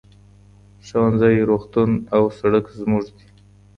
ښوونځی، روغتون او سرک زموږ دي.